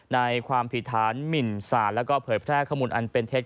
ในความผิดฐานหมินศาสตร์แล้วก็เผยแพร่ข้อมูลอันเป็นเท็จ